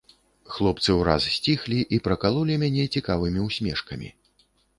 Хлопцы ўраз сціхлі і пракалолі мяне цікавымі ўсмешкамі.